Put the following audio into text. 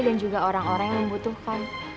dan juga orang orang yang membutuhkan